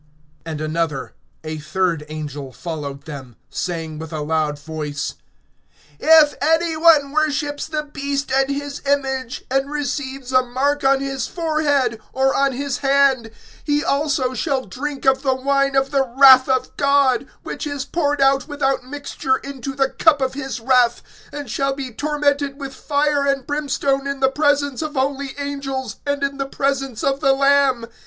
(9)And another, a third angel followed them, saying with a loud voice: If any one worships the beast and his image, and receives a mark on his forehead, or on his hand, (10)he also shall drink of the wine of the wrath of God, which is poured out without mixture into the cup of his wrath, and shall be tormented with fire and brimstone in the presence of holy angels, and in the presence of the Lamb.